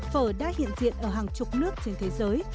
phở đã hiện diện ở hàng chục nước trên thế giới